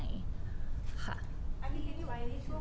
ค่ะ